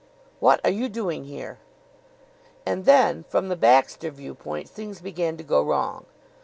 "What are you doing here?" And then, from the Baxter viewpoint, things began to go wrong.